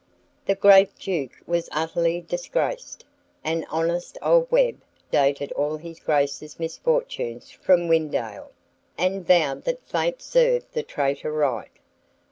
That great Duke was utterly disgraced; and honest old Webb dated all his Grace's misfortunes from Wynendael, and vowed that Fate served the traitor right.